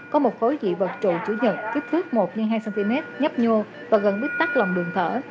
có một khối dị vật trụ chủ nhật kích thước một hai cm nhấp nhua và gần bít tắt lòng đường thở